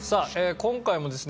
今回もですね